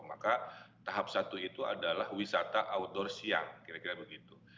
maka tahap satu itu adalah wisata outdoor siang kira kira begitu